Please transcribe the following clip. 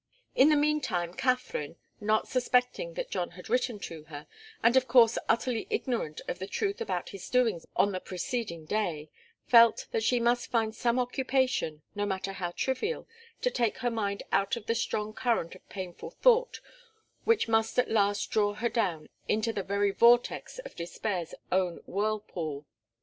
In the meantime Katharine, not suspecting that John had written to her, and of course utterly ignorant of the truth about his doings on the preceding day, felt that she must find some occupation, no matter how trivial, to take her mind out of the strong current of painful thought which must at last draw her down into the very vortex of despair's own whirlpool.